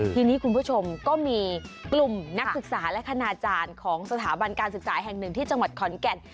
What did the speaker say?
ทีนี้คุณผู้ชมก็มีกลุ่มนักศึกษาและคณาจารย์ของสถาบันการศึกษาแห่งหนึ่งที่จังหวัดขอนแก่น